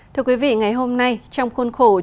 thưa quý vị ngày hôm nay trong khuôn khổ